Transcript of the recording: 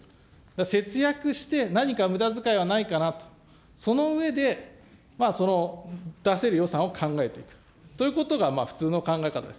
節約して、何かむだづかいはないかなと、その上で出せる予算を考えていくということが普通の考え方です。